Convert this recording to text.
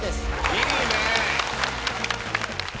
いいね。